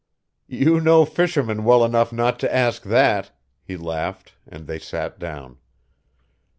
"You know fishermen well enough not to ask that," he laughed, and they sat down.